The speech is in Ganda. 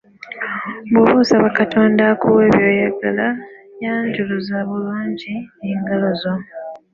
Bwoba osaba Katonda akuwe by'oyagala yanjuluza bulungi engalo zo.